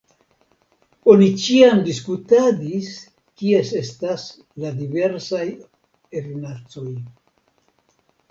Oni ĉiam diskutadis, kies estas la diversaj erinacoj.